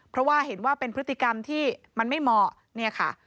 เพราะว่าเห็นว่าเป็นพฤติกรรมที่มันไม่เหมาะเนี่ยค่ะ